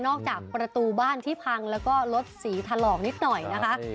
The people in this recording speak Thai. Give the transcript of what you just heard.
จากประตูบ้านที่พังแล้วก็รถสีถลอกนิดหน่อยนะคะ